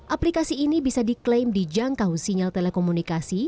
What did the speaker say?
aplikasi ini bisa diklaim dijangkau sinyal telekomunikasi